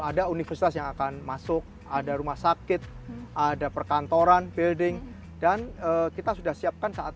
ada universitas yang akan masuk ada rumah sakit ada perkantoran building dan kita sudah siapkan saat